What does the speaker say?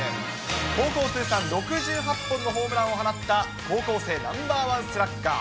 高校通算６８本のホームランを放った高校生ナンバー１スラッガー。